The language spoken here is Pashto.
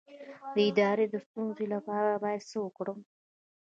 د ادرار د ستونزې لپاره باید څه وکړم؟